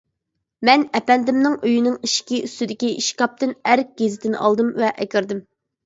مەن ئەپەندىمنىڭ ئۆيىنىڭ ئىشىكى ئۈستىدىكى ئىشكاپتىن ئەرك گېزىتىنى ئالدىم ۋە ئەكىردىم.